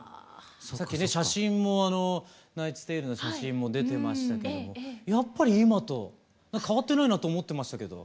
さっきね「ナイツ・テイル」の写真も出てましたけどもやっぱり今と変わってないなと思ってましたけど。